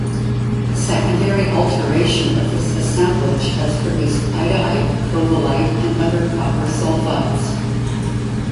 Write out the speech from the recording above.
Secondary alteration of this assemblage has produced idaite, covellite and other copper sulfides.